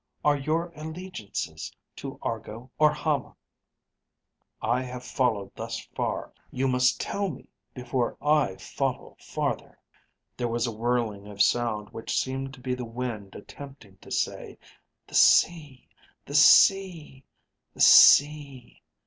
"Are your allegiances to Argo or Hama? I have followed thus far. You must tell me before I follow farther."_ _There was a whirling of sound which seemed to be the wind attempting to say, "The sea ... the sea ... the sea